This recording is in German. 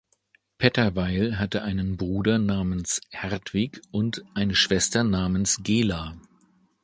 Petterweil hatte einen Bruder namens "Hertwig" und eine Schwester namens "Gela".